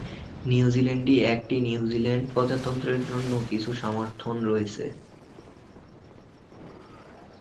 নিউজিল্যান্ডে একটি নিউজিল্যান্ড প্রজাতন্ত্রের জন্য কিছু সমর্থন রয়েছে।